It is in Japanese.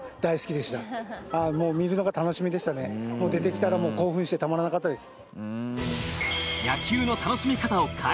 出てきたらもう興奮してたまらなかったです。